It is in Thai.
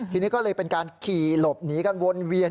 ทีนี้ก็เลยเป็นการขี่หลบหนีกันวนเวียน